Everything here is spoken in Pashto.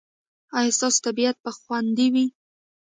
ایا ستاسو طبیعت به خوندي وي؟